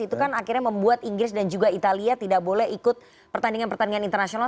itu kan akhirnya membuat inggris dan juga italia tidak boleh ikut pertandingan pertandingan internasional